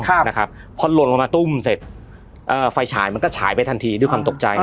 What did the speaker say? พอหล่นลงมาตุ้งเสร็จไฟชายมันก็ฉายไปทันทีด้วยความตกใจ